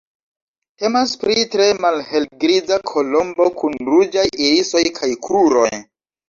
Temas pri tre malhelgriza kolombo kun ruĝaj irisoj kaj kruroj.